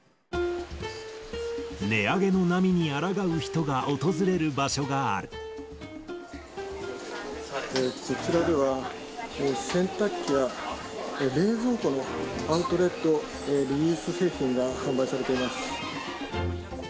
値上げの波にあらがう人が訪こちらでは、洗濯機や冷蔵庫のアウトレット・リユース製品が販売されています。